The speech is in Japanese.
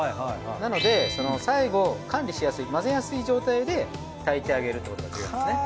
なので最後管理しやすい混ぜやすい状態で炊いてあげるってことが重要ですね。